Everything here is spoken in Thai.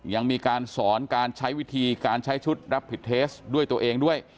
ยังมีการสอนการใช้วิธีการใช้ชุดรับผิดเทสด้วยตัวเองด้วย